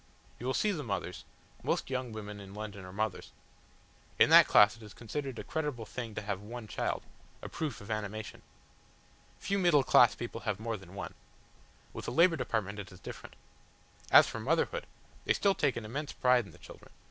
You will see the mothers most young women in London are mothers. In that class it is considered a creditable thing to have one child a proof of animation. Few middle class people have more than one. With the Labour Department it is different. As for motherhood! They still take an immense pride in the children.